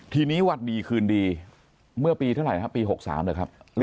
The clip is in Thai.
ทีนี้วันดีเคือนดีเมื่อปีเท่าไหร่ปี๖๓หรือ๖๔